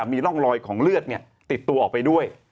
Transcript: พลอยของเลือดเนี่ยติดตัวออกไปด้วย